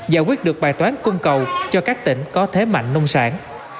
giải quyết được bài toán cung cầu cho các tỉnh có thế mạnh nông sản